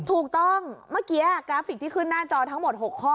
ถูกต้องเมื่อกี้กราฟิกที่ขึ้นหน้าจอทั้งหมด๖ข้อ